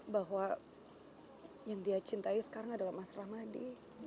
bahwa yang dia cintai sekarang adalah mas ramadi